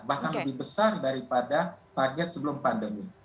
bahkan lebih besar daripada target sebelum pandemi